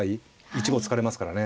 １五歩突かれますからね。